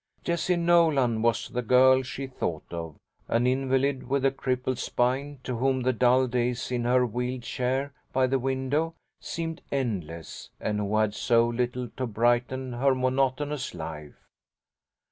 Jessie Nolan was the girl she thought of, an invalid with a crippled spine, to whom the dull days in her wheeled chair by the window seemed endless, and who had so little to brighten her monotonous life.